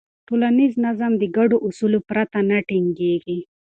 ټولنیز نظم د ګډو اصولو پرته نه ټینګېږي.